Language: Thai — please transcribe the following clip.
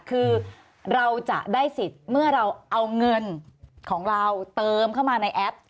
คือเราจะได้สิทธิ์เมื่อเราเอาเงินของเราเติมเข้ามาในแอป